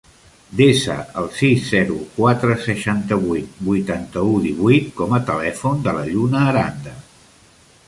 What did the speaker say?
Desa el sis, zero, quatre, seixanta-vuit, vuitanta-u, divuit com a telèfon de la Lluna Aranda.